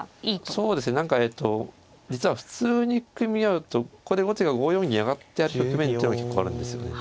そうですね何かえと実は普通に組み合うとここで後手が５四銀上がった局面っていうのは結構あるんですよね。